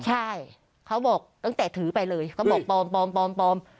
ใช่เขาบอกตั้งแต่ถือไปเลยเขาบอกปลอมปลอมปลอม